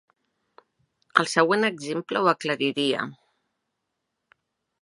El següent exemple ho aclariria.